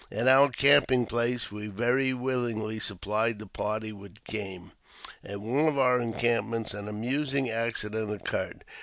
At our camping places we very willingly supplied the party with game. At one of our encampments an amusing accident occurred.